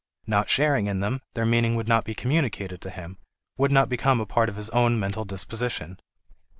Not sharing in them, their meaning would not be communicated to him, would not become a part of his own mental disposition.